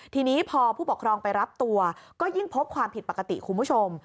ทีนี้พอผู้ปกครองไปรับตัวก็ยิ่งพบความผิดปกติคุณผู้ชม